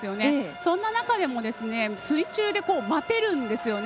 そんな中でも水中で待てるんですよね。